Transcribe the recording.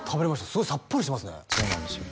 すごいさっぱりしてますねそうなんですよ